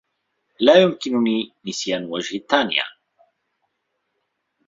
لا يمكنني نسيان وجه تانينّا.